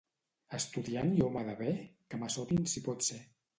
Estudiant i home de bé? Que m'assotin si pot ser.